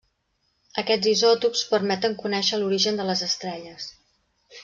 Aquests isòtops permeten conèixer l'origen de les estrelles.